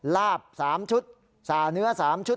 ลาบ๓ชุดสาเนื้อ๓ชุด